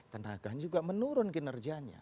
tenaganya juga menurun kinerjanya